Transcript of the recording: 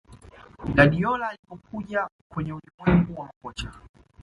Guardiola alipokuja kwenye ulimwengu wa makocha